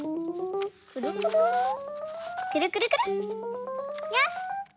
くるくるくるくるくるよし！